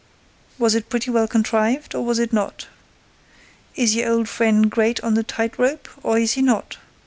"Was it pretty well contrived, or was it not? Is your old friend great on the tight rope, or is he not?